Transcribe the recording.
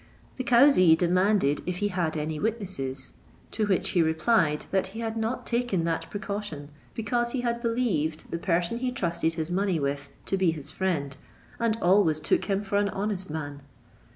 The cauzee demanded if he had any witnesses; to which he replied, that he had not taken that precaution, because he had believed the person he trusted his money with to be his friend, and always took him for an honest man.